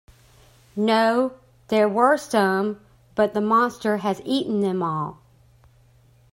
No; there were some, but the monster has eaten them all.